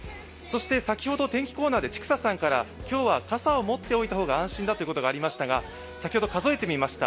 先ほど天気コーナーで千種さんから今日は傘を持っておいた方が安心とありましたが先ほど、数えてみました。